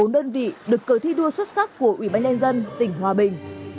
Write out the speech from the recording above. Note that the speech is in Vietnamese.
bốn đơn vị được cờ thi đua xuất sắc của ủy banh đen dân tỉnh hòa bình